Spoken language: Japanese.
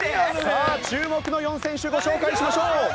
さあ注目の４選手ご紹介しましょう。